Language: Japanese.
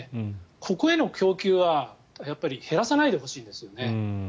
ここへの供給は減らさないでほしいですよね。